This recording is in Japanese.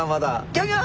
ギョギョ！